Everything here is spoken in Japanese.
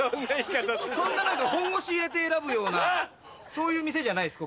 そんな何か本腰入れて選ぶようなそういう店じゃないです